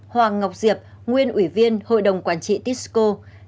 hoàng ngọc diệp nguyên ủy viên hội đồng quản trị tisco